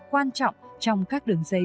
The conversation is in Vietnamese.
quan trọng trong các đường dây